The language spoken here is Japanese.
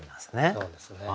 そうですね。